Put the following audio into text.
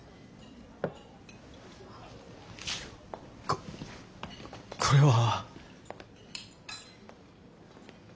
こっこれは。